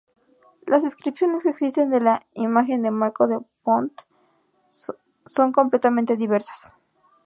Las descripciones que existen de la imagen de Marcó del Pont son completamente diversas.